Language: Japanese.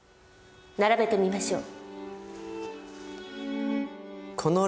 並べてみましょう。